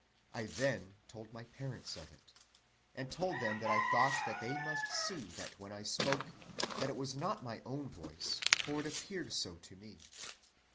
I then told my parents of it, and told them that I thought that they must see that when I spoke, that it was not my own voice, for it appeared so to me.